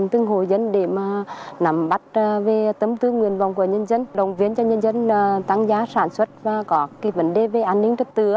từng hồi dân để nắm bắt về tấm tư nguyên vọng của nhân dân đồng viên cho nhân dân tăng giá sản xuất và có vấn đề về an ninh trật tự